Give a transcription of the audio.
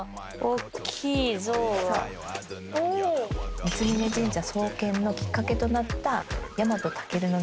三峯神社創建のきっかけとなった。